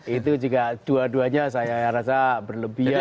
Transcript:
itu juga dua duanya saya rasa berlebihan